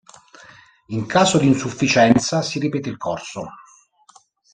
In caso di insufficienza si ripete il corso.